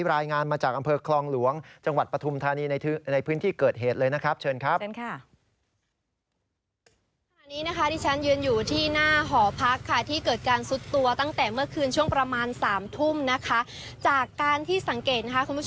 รายงานมาจากอำเภอคลองหลวงจังหวัดปฐุมธานีในพื้นที่เกิดเหตุเลยนะครับเชิญครับ